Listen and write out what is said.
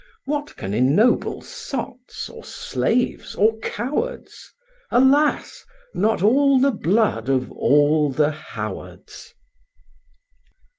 What can ennoble sots, or slaves, or cowards? Alas! not all the blood of all the Howards.